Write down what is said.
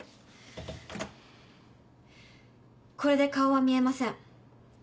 これで顔は見えません。